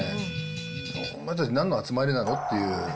お前たちなんの集まりなの？っていう。